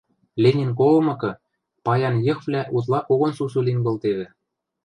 Ленин колымыкы, паян йыхвлӓ утла когон сусу лин колтевӹ.